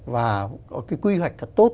và có cái quy hoạch thật tốt